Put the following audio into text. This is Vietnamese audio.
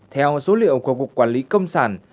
theo số liệu của cục quản lý công sản